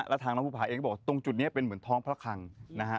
แล้วทางน้องภูภาเองก็บอกตรงจุดนี้เป็นเหมือนท้องพระคังนะฮะ